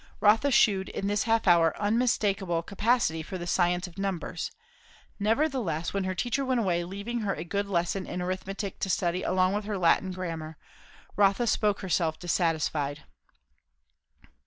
Rotha shewed in this half hour uumistakeable capacity for the science of numbers; nevertheless, when her teacher went away leaving her a good lesson in arithmetic to study along with her Latin grammar, Rotha spoke herself dissatisfied.